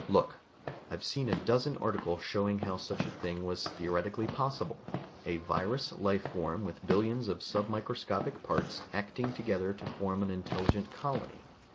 "Look, I've seen a dozen articles showing how such a thing was theoretically possible ... a virus life form with billions of submicroscopic parts acting together to form an intelligent colony.